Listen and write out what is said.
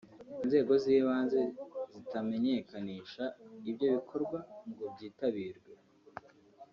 inzego z’ibanze zitamenyekanisha ibyo bikorwa ngo byitabirwe